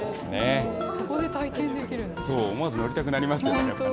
そう、思わず乗りたくなりますよね。